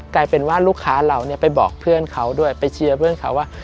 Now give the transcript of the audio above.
กลายเป็นว่าลูกค้าเราเนี่ยไปบอกเพื่อนเขาด้วยไปเชียร์เพื่อนเขาว่า